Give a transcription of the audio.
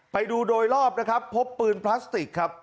ไปดูโดยรอบนะครับพบปืนพลาสติกครับ